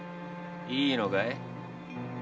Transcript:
いいのかい？